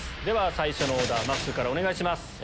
最初のオーダーまっすーからお願いします。